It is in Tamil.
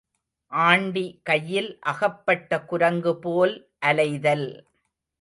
ஆண்டி கையில் அகப்பட்ட குரங்குபோல் அலைதல்.